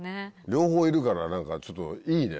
両方いるから何かちょっといいね。